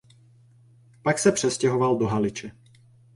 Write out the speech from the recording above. Pak se přestěhoval do Haliče.